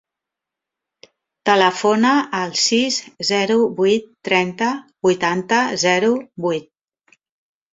Telefona al sis, zero, vuit, trenta, vuitanta, zero, vuit.